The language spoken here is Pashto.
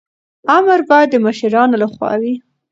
امر باید د مشرانو لخوا وي.